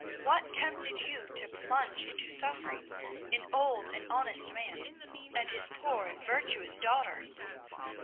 What tempted you to plunge into suffering an old and honest man, and his poor and virtuous daughter?'